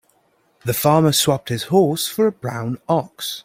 The farmer swapped his horse for a brown ox.